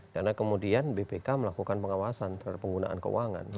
karena kemudian bpk melakukan pengawasan terhadap penggunaan keuangan